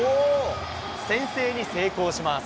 先制に成功します。